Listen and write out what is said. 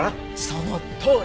そのとおり。